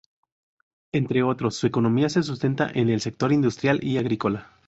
Entre otros, su economía se sustenta en el sector industrial y agrícola.